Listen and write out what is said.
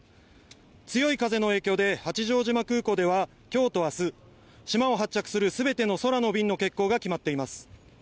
強い風の影響で八丈島空港では今日と明日、島を発着する全ての空の便の欠航が決まっています。